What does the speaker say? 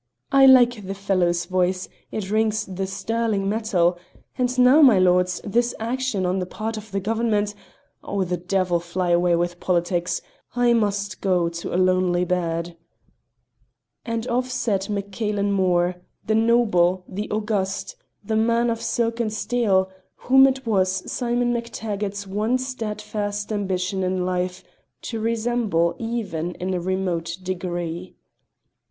I like the fellow's voice, it rings the sterling metal.... And now, my lords, this action on the part of the Government.... Oh, the devil fly away with politics! I must go to a lonely bed!" And off set Mac Cailen Mor, the noble, the august, the man of silk and steel, whom 'twas Simon MacTaggart's one steadfast ambition in life to resemble even in a remote degree.